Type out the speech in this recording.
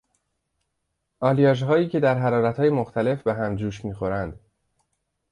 آلیاژهایی که در حرارتهای مختلف به هم جوش میخورند